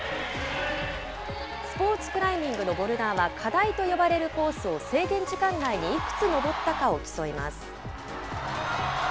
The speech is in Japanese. スポーツクライミングのボルダーは、課題と呼ばれるコースを制限時間内にいくつ登ったかを競います。